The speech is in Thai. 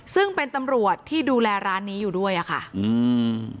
ซึ่งเป็นตำรวจที่ดูแลร้านนี้อยู่ด้วยอ่ะค่ะอืม